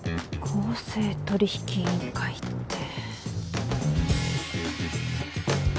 公正取引委員会って。